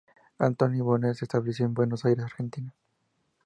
Antoni Bonet se estableció en Buenos Aires, Argentina.